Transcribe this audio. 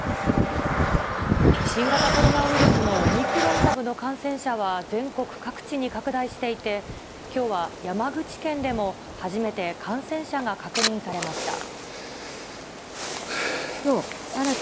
新型コロナウイルスのオミクロン株の感染者は全国各地に拡大していて、きょうは山口県でも初めて感染者が確認されました。